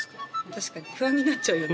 確かに不安になっちゃうよね